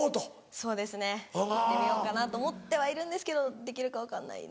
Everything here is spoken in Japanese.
そうですね行ってみようかなと思ってはいるんですけどできるか分かんないな。